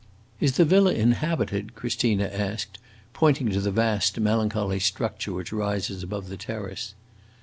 "Is the villa inhabited?" Christina asked, pointing to the vast melancholy structure which rises above the terrace.